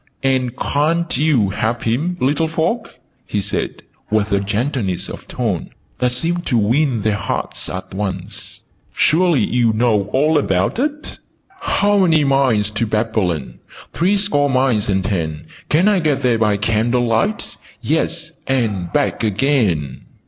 "And ca'n't you help him, little folk?" he said, with a gentleness of tone that seemed to win their hearts at once. "Surely you know all about it? 'How many miles to Babylon? Three score miles and ten. Can I get there by candlelight? Yes, and back again!'"